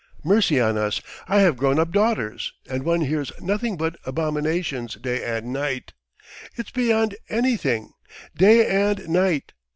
Mercy on us, I have grown up daughters and one hears nothing but abominations day and night! It's beyond everything! Day and night!